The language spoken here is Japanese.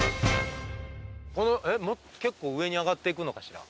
結構上に上がっていくのかしら？